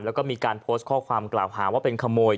แล้วกับมีการทางน้องเขาอาจจะโปรดคลอบความกล่าวหาว่าเป็นขโมย